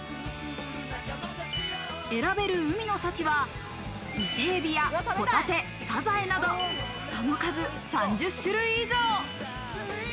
選べる海の幸は、伊勢海老やホタテ、サザエなどその数、３０種類以上。